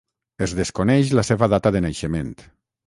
Es desconeix la seva data de naixement.